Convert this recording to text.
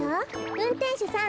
うんてんしゅさん。